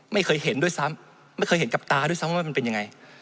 ไม่เคยเห็นด้วยซ้ำไม่เคยเห็นกับตาด้วยซ้ำว่ามันเป็นยังไง